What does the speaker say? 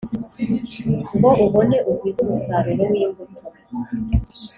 Ngo ubone ugwize umusaruro wimbuto